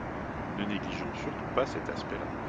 Ne négligeons surtout pas cet aspect-là.